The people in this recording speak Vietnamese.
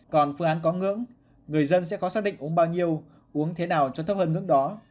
còn phương án có ngưỡng người dân sẽ khó xác định uống bao nhiêu uống thế nào cho thấp hơn ngưỡng đó